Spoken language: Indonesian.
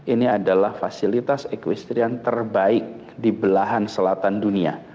ini adalah fasilitas equestrian terbaik di belahan selatan dunia